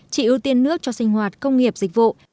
chỉ ưu tiên nước cho sinh hoạt công nghiệp dịch vụ